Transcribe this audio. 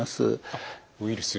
あっウイルス。